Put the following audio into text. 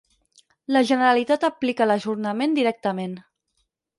La Generalitat aplica l'ajornament directament.